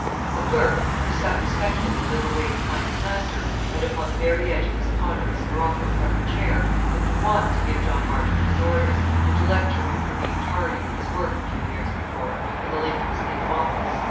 The clerk, who sat respectfully a little way behind his master, and upon the very edge of his ponderous morocco covered chair, had been wont to give John Marchmont his orders, and to lecture him for being tardy with his work a few years before, in the Lincoln's Inn office.